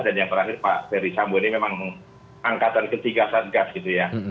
dan yang terakhir pak ferry sambo ini memang angkatan ketiga satgas gitu ya